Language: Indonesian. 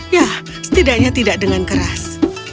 ya setidaknya tidak dengan keras